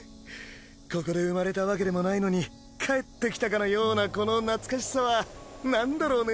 ここで生まれたわけでもないのに帰って来たかのようなこの懐かしさはなんだろうね。